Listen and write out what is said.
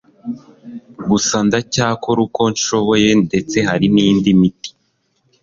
Gusa ndacyakora uko nshoboye ndetse hari nindi miti